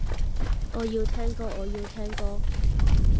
我要聽歌，我要聽歌